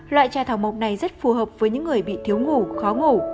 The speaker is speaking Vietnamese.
loại trà thảo mộc này rất phù hợp với những người bị thiếu ngủ khó ngủ